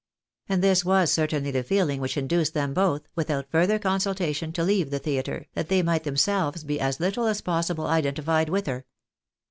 And this was certainly the feeling which induced them both, with out further consultation, to leave the theatre, that they might themselves be as little as possible identified with her.